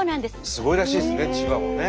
すごいらしいですよね千葉もね。